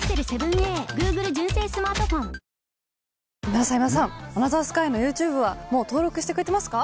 今田さん今田さん『アナザースカイ』のＹｏｕＴｕｂｅはもう登録してくれてますか？